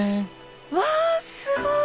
うわすごい！